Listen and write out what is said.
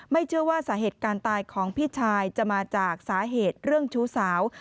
เชื่อว่าสาเหตุการณ์ตายของพี่ชายจะมาจากสาเหตุเรื่องชู้สาว